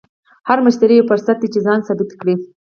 هر مشتری یو فرصت دی چې ځان ثابت کړې.